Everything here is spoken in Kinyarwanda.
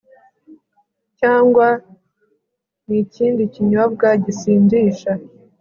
cyangwa n'ikindi kinyobwa gisindisha